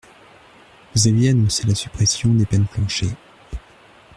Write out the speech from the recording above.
Vous aviez annoncé la suppression des peines plancher.